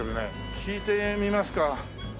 聞いてみますか。